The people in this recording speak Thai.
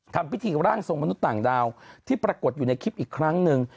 ทำพิธีร่างทรงมนุษย์ต่างดาวที่ปรากฏอยู่ในคลิปอีกครั้งหนึ่ง